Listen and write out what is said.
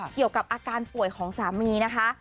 เกี่ยวกับอาการป่วยของสามีนะคะ